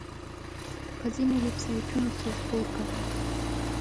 په ځینو ویب سایټونو کې یې خپور کړ.